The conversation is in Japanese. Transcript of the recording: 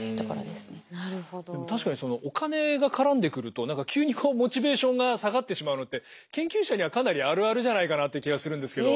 でも確かにお金が絡んでくると何か急にこうモチベーションが下がってしまうのって研究者にはかなりあるあるじゃないかなっていう気がするんですけど。